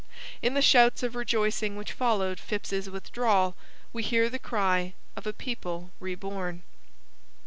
In the shouts of rejoicing which followed Phips's withdrawal we hear the cry of a people reborn.